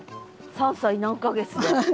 ３歳何か月で。